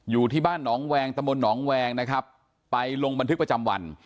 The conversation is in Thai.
อยู่ที่บ้านหนองแวงตะมนต์หนองแวงนะครับไปลงบันทึกประจำวัน